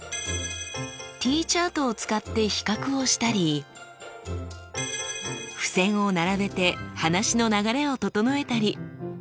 Ｔチャートを使って比較をしたり付せんを並べて話の流れを整えたり。